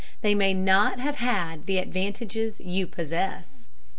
They may not have had the advantages you possess.